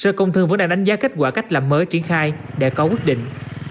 sở công thương đã đánh giá kết quả cách làm mới triển khai để có quyết định